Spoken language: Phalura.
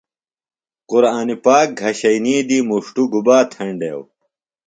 قُرآنی پاک گھشئینی دی مُݜٹوۡ گُباتھینڈیو؟